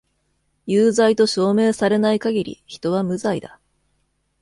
有罪と証明されない限り、人は無罪だ。